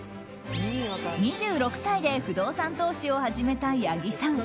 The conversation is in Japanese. ２６歳で不動産投資を始めた八木さん。